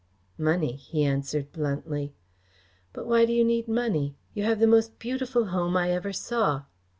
"Money," he answered bluntly. "But why do you need money? You have the most beautiful home I ever saw."